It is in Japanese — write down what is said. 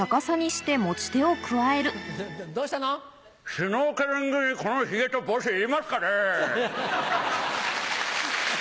シュノーケリングにこのヒゲと帽子要りますかね？